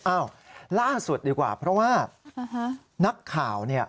อ้าวล่าสุดดีกว่าเพราะว่านักข่าวเนี่ย